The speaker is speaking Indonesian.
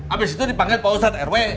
abis itu dipanggil pauzat rw